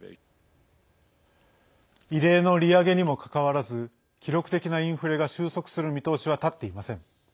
異例の利上げにもかかわらず記録的なインフレが収束する見通しは立っていません。